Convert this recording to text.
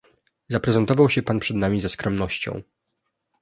Zaprezentował się pan przed nami ze skromnością